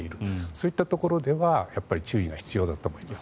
そういったところでは注意が必要だと思います。